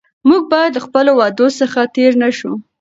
موږ باید له خپلو وعدو څخه تېر نه شو.